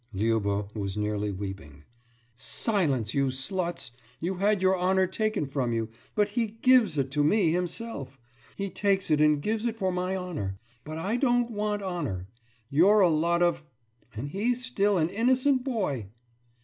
« Liuba was nearly weeping. »Silence, you sluts! You had your honour taken from you; but he gives it me himself. He takes it and gives it for my honour. But I don't want honour! You're a lot of ... and he's still an innocent boy!